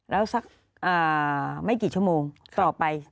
แล้วสักไม่กี่ชั่วโมงต่อไป